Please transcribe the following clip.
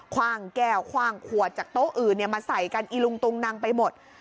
ว่างแก้วคว่างขวดจากโต๊ะอื่นมาใส่กันอีลุงตุงนังไปหมด